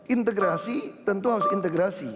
integrasi tentu harus integrasi